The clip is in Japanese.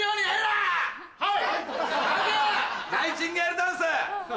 はい！